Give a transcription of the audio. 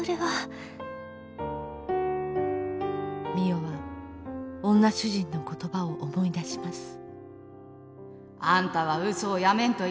美世は女主人の言葉を思い出します。